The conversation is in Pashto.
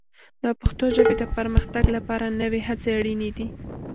د پښتو ژبې د پرمختګ لپاره نوې هڅې اړینې دي.